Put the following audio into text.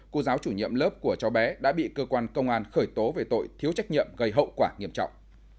cô giáo chủ nhiệm lớp của cháu bé đã bị cơ quan công an khởi tố về tội thiếu trách nhiệm gây hậu quả nghiêm trọng